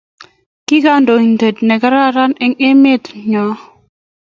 kikandoiten nekararan en emt nyon